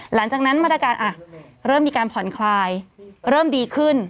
หลังจากนั้นมาตรการเริ่มมีการผ่อนคลายเริ่มดีขึ้น